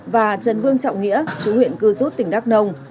và trần vương trọng nghĩa chú huyện cư rút tỉnh đắk nông